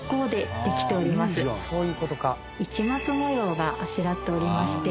市松模様があしらっておりまして。